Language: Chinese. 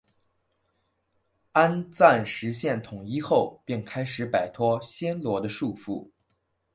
安赞实现统一后便开始摆脱暹罗的束缚。